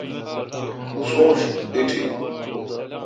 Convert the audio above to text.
سونش ایٹی۔